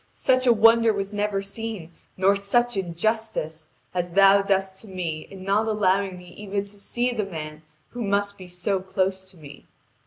Such a wonder was never seen, nor such injustice, as Thou dost to me in not allowing me even to see the man who must be so close to me.